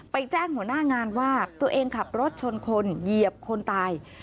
แจ้งหัวหน้างานว่าตัวเองขับรถชนคนเหยียบคนตาย